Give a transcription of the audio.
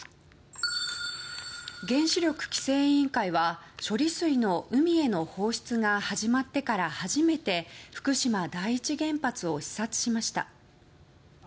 原子力規制委員会は、処理水の海への放出が始まってから初めて福島第一原発を視察しました。